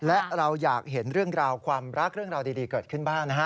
และเราอยากเห็นเรื่องราวความรักเรื่องราวดีเกิดขึ้นบ้างนะฮะ